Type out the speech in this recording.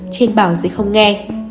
trên bảo sẽ không nghe